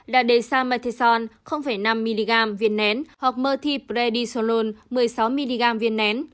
dadesamethesol năm mg viên nén hoặc mertipredisolol một mươi sáu mg viên nén